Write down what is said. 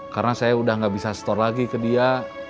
karena saya udah gak bisa setor lagi ke dia